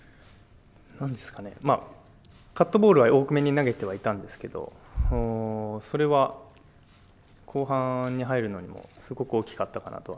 カットボールは多めには、投げていたんですけど、それは後半に入るのにもすごく大きくかったかなとは。